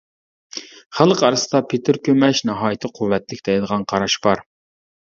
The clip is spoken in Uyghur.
خەلق ئارىسىدا پېتىر كۆمەچ ناھايىتى قۇۋۋەتلىك، دەيدىغان قاراش بار.